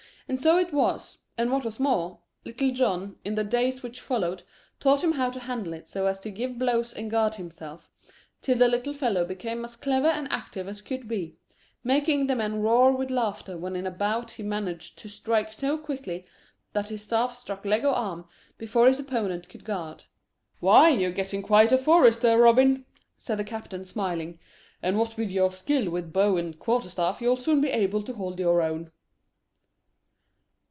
And so it was, and what was more, Little John, in the days which followed, taught him how to handle it so as to give blows and guard himself, till the little fellow became as clever and active as could be, making the men roar with laughter when in a bout he managed to strike so quickly that his staff struck leg or arm before his opponent could guard. "Why, you're getting quite a forester, Robin," said the captain, smiling, "and what with your skill with bow and quarter staff you'll soon be able to hold your own."